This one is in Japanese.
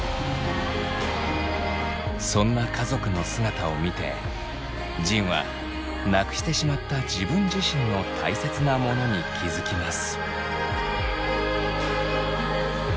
そんな家族の姿を見て仁はなくしてしまった自分自身のたいせつなモノに気づきます。